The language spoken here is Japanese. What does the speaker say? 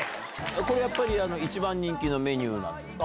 これやっぱり一番人気のメニューなんですか？